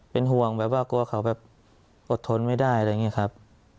เป็นห่วงแบบว่ากลัวเขาแบบอดทนไม่ได้อะไรอย่างนี้ครับ